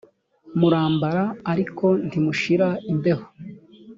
murambara ariko ntimushira imbeho